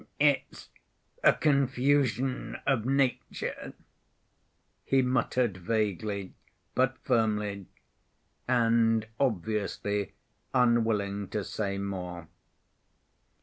"It's a confusion of nature," he muttered vaguely, but firmly, and obviously unwilling to say more.